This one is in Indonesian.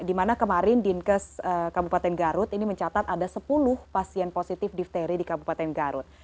di mana kemarin dinkes kabupaten garut ini mencatat ada sepuluh pasien positif difteri di kabupaten garut